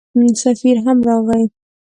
سفیر هم راغی.